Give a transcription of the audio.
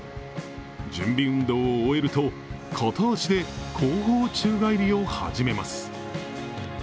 準備運動を終えると片足で後方宙返りを始めます。